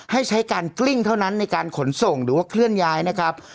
ให้ใช้การกลิ้งเท่านั้นในการขนส่งหรือว่าเคลื่อนย้ายนะครับ